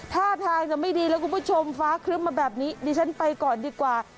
ท่าทางจะไม่ดีแล้วคุณผู้ชมฟ้าครึ้มมาแบบนี้ดิฉันไปก่อนดีกว่า